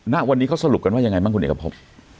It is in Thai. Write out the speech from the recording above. ณวันนี้เข้าสรุปว่ายังไงมั้ยคุณเอกพบ